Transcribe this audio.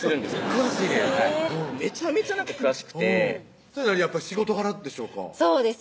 詳しいねやはいめちゃめちゃ詳しくてそれやっぱ仕事柄でしょうかそうですね